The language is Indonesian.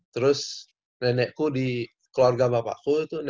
terus nenekku di keluarga bapakku tuh neneknya